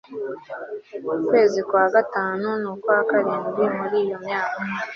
kwezi kwa gatanu n ukwa karindwi muri iyo myaka